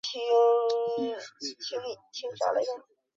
艺术气氛浓厚的家庭